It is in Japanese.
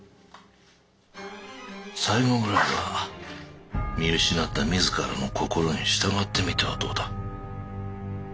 最期ぐらいは見失った自らの心に従ってみてはどうだ？